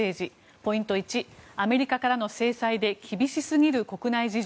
ポイント１アメリカからの制裁で厳しすぎる国内事情。